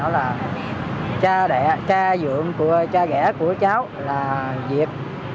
là cha dưỡng cha ghẻ của cháu là diệp